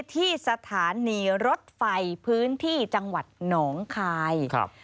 ที่สถานีรถไฟพื้นที่จังหวัดหนองคายครับ